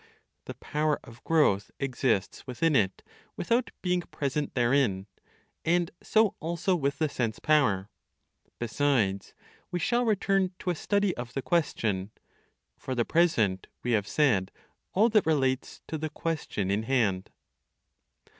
The power of growth exists within it without being present therein; and so also with the sense power. Besides, we shall return to a study of the question. For the present, we have said all that relates to the question in hand.